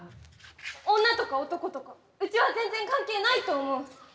女とか男とかうちは全然関係ないと思う。